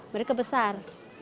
mereka lebih besar